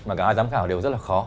mà cả ai giám khảo đều rất là khó